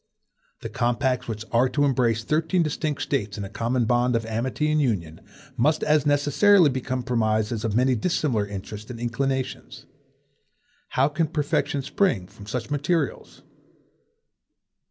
The compacts which are to embrace thirteen distinct States in a common bond of amity and union, must as necessarily be a compromise of as many dissimilar interests and inclinations. How can perfection spring from such materials?